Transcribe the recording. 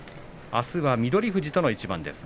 あすは翠富士との一番です。